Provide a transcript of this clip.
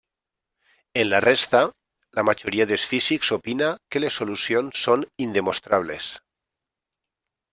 En la resta, la majoria dels físics opina que les solucions són indemostrables.